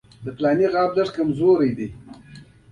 د پاکستان اسلامي جمهوري دولت زموږ له هېوادونو څخه یو ګاونډی دی.